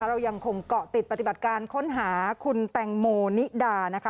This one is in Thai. เรายังคงเกาะติดปฏิบัติการค้นหาคุณแตงโมนิดานะคะ